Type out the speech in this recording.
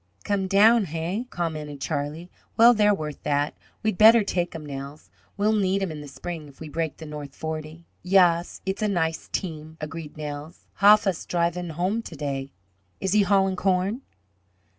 "Come down, eh?" commented Charlie. "Well, they're worth that. We'd better take 'em, Nels. We'll need 'em in the spring if we break the north forty." "Yas, et's a nice team," agreed Nels. "Ha vas driven ham ta day." "Is he haulin' corn?"